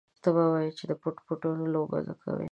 ته به وايې د پټ پټوني لوبه کوي.